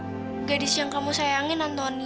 gadis yang kamu sayangin antoni